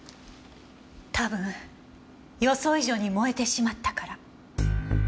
多分予想以上に燃えてしまったから。